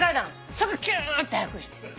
それがキューって速くしてる。